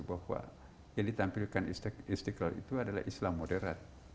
bahwa yang ditampilkan istiqlal itu adalah islam moderat